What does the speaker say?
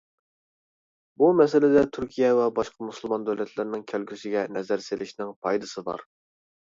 بۇ مەسىلىدە تۈركىيە ۋە باشقا مۇسۇلمان دۆلەتلەرنىڭ كەلگۈسىگە نەزەر سېلىشنىڭ پايدىسى بار.